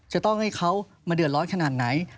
จะต้องให้เขามาเดือดร้อนขนาดไหน